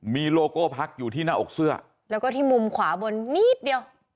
มีโลโก้พักอยู่ที่หน้าอกเสื้อแล้วก็ที่มุมขวาบนนิดเดียว